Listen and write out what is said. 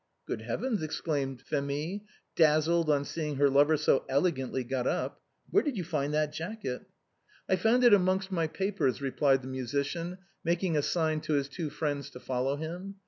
" Good heavens !" exclaimed Phémie^ dazzled on seeing her lover so elegantly got up, " where did you and that jacket?" " I found it amongst my papers," replied the musician, making a sign to his two friends to follow him.